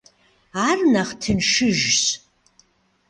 Ар нэхъ тыншыжщ.